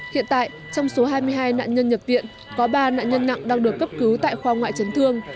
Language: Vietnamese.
hiện tại trong số hai mươi hai nạn nhân nhập viện có ba nạn nhân nặng đang được cấp cứu tại khoa ngoại chấn thương